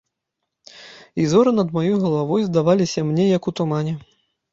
І зоры над маёй галавой здаваліся мне, як у тумане.